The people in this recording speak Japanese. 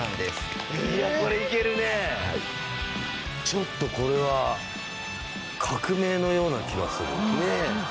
ちょっとこれは革命のような気がするこの枕は。